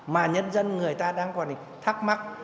mà nhân dân người ta đang còn thắc mắc